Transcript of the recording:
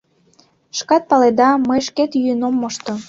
Шкат паледа, мый шкет йӱын ом мошто.